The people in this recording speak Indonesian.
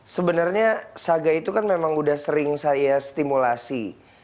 sebenarnya saga itu kan memang udah sering saya stimulasi